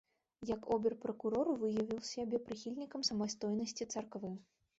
Як обер-пракурор, выявіў сябе прыхільнікам самастойнасці царквы.